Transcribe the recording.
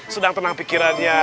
sedang tenang pikirannya